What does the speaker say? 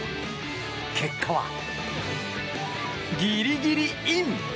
結果は、ギリギリイン。